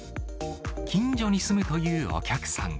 近所に住むというお客さん。